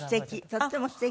とってもすてき。